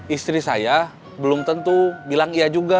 istri saya belum tentu bilang iya juga